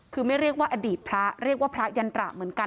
คือไม่เรียกว่าอดีตพระเรียกว่าพระยันตราเหมือนกัน